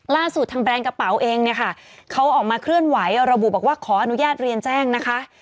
ล่าสุดทางแบรนด์กระเป๋าเองเนี่ยค่ะเขาออกมาเคลื่อนไหวระบุบอกว่าขออนุญาตเรียนแจ้งนะคะ